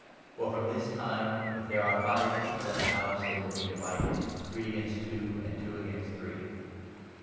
For from this time, if there are five people in a house, they 52 will be divided, three against two, and two against three.